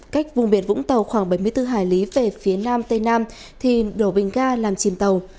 cách vùng biển vũng tàu khoảng bảy mươi bốn hải lý về phía nam tây nam thì đổ bình ga làm chìm tàu